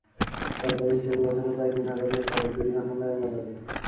সরকারি হিসাবে বছরে প্রায় তিন হাজার লোক সড়ক দুর্ঘটনায় মারা যান।